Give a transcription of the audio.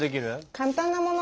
簡単なもの。